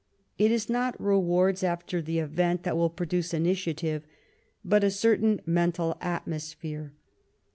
It is not rewards after the event that will produce initiative, but a certain mental atmosphere.